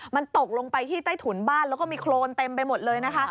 มันตกลงไปที่ใต้ถุนบ้านแล้วก็มีโครนเต็มไปหมดเลยนะคะ